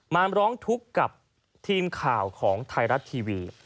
มาร้องทุกข์กับทีมข่าวของไทยรัฐทีวี